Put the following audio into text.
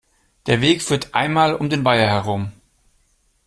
Der Weg führt einmal um den Weiher herum.